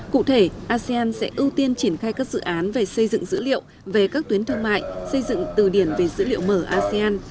cụ thể asean sẽ ưu tiên triển khai các dự án về xây dựng dữ liệu về các tuyến thương mại xây dựng từ điển về dữ liệu mở asean